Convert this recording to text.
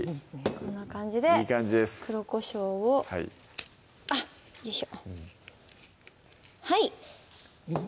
こんな感じで黒こしょうをよいしょはい！